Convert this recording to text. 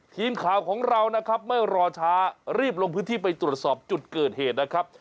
ทีมข่าวของเรานะครับไม่รอช้ารีบลงพื้นที่ไปตรวจสอบจุดเกิดเหตุนะครับ